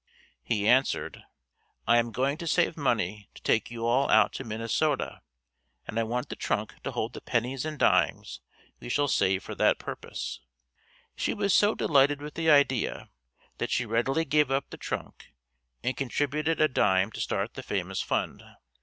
He answered, "I am going to save money to take you all out to Minnesota and I want the trunk to hold the pennies and dimes we shall save for that purpose." She was so delighted with the idea that she readily gave up the trunk and contributed a dime to start the famous fund.